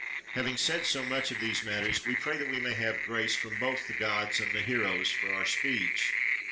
Having said so much of these matters, we pray that we may have grace from both the gods and the heroes for our speech.